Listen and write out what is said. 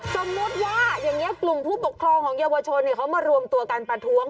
สมมุติว่าอย่างนี้กลุ่มผู้ปกครองของเยาวชนเขามารวมตัวกันประท้วง